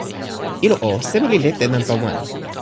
ilo o, seme li lete nanpa wan?